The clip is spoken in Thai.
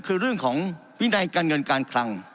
คือเรื่องของวินัยการเงินการคลัง